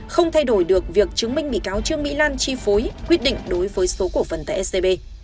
không thay đổi được việc chứng minh bị cáo trương mỹ lan chi phối quyết định đối với số cổ phần tại scb